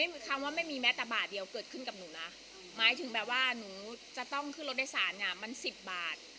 เหมือนคำว่าไม่มีแม้แต่บาทเดียวเกิดขึ้นกับหนูนะหมายถึงแบบว่าหนูจะต้องขึ้นรถโดยสารเนี่ยมันสิบบาท